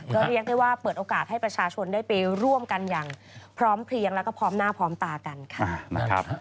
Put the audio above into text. ก็เรียกได้ว่าเปิดโอกาสให้ประชาชนได้ไปร่วมกันอย่างพร้อมเพลียงแล้วก็พร้อมหน้าพร้อมตากันค่ะ